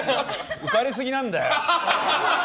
浮かれすぎなんだよ。